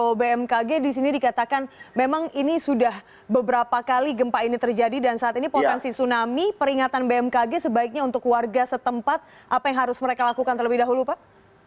kalau bmkg di sini dikatakan memang ini sudah beberapa kali gempa ini terjadi dan saat ini potensi tsunami peringatan bmkg sebaiknya untuk warga setempat apa yang harus mereka lakukan terlebih dahulu pak